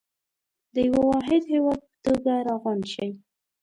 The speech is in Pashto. د يوه واحد هېواد په توګه راغونډ شئ.